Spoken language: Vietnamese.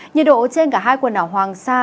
nhiệt độ trên cả hai quần đảo hoàng sa